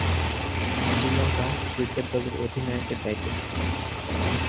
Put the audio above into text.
Sri Lanka cricket দলের অধিনায়কের দায়িত্বে ছিলেন।